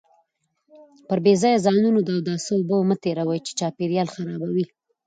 پر بې ځایه ځایونو د اوداسه اوبه مه تېروئ چې چاپیریال خرابوي.